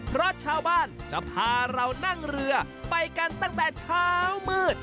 เพราะชาวบ้านจะพาเรานั่งเรือไปกันตั้งแต่เช้ามืด